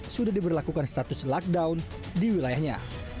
sudah diberlakukan status lockdown di wilayahnya